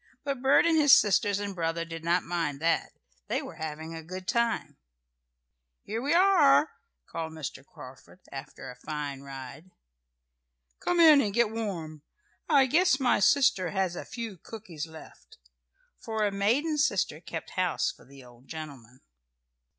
But Bert and his sisters and brother did not mind that. They were having a good time. "Here we are!" called Mr. Carford after a fine ride. "Come in and get warm. I guess my sister has a few cookies left," for a maiden sister kept house for the old gentleman.